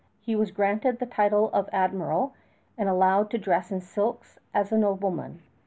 He was granted the title of admiral and allowed to dress in silks as a nobleman.